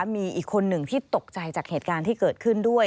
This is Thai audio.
มีอีกคนหนึ่งที่ตกใจจากเหตุการณ์ที่เกิดขึ้นด้วย